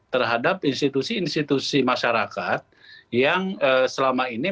terhadap institusi institusi masyarakat yang selama ini